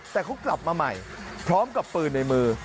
แต่เขากลับมาใหม่พร้อมกับปืนในมือ